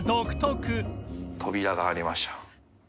扉がありましたよ。